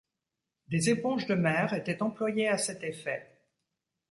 Des éponges de mer étaient employées à cet effet.